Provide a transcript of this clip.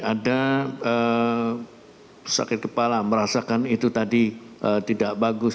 ada sakit kepala merasakan itu tadi tidak bagus